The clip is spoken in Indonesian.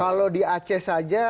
kalau di aceh saja